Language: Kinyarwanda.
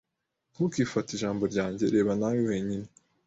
Ntukifate ijambo ryanjye. Reba nawe wenyine.